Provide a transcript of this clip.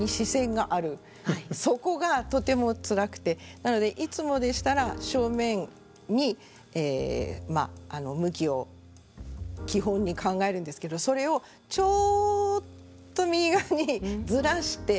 なのでいつもでしたら正面に向きを基本に考えるんですけどそれをちょっと右側にずらして。